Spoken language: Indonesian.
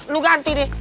lu ganti deh